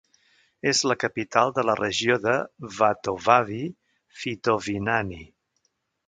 És la capital de la regió de Vatovavy-Fitovinany.